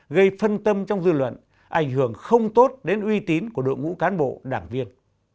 gây phân tâm trong dư luận ảnh hưởng không tốt đến uy tín của đội ngũ cán bộ đảng viên